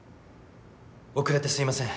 遅れてすいません。